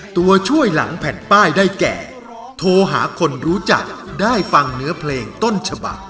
ตัวช่วยหลังแผ่นป้ายได้แก่โทรหาคนรู้จักได้ฟังเนื้อเพลงต้นฉบัก